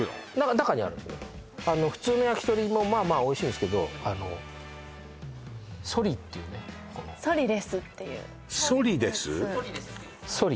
中にあるんです普通の焼き鳥もまあまあおいしいんですけどソリっていうねこの部位なんです